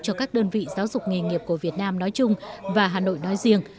cho các đơn vị giáo dục nghề nghiệp của việt nam nói chung và hà nội nói riêng